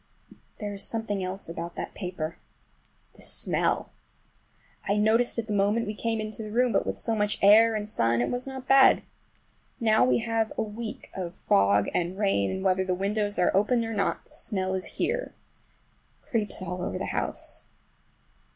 But there is something else about that paper—the smell! I noticed it the moment we came into the room, but with so much air and sun it was not bad. Now we have had a week of fog and rain, and whether the windows are open or not, the smell is here. It creeps all over the house.